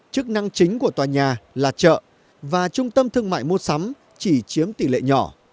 chức năng chính của tòa nhà là chợ và trung tâm thương mại mua sắm chỉ chiếm tỷ lệ nhỏ